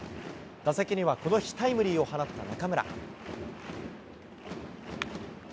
打席にはこの日、タイムリーを放った中村。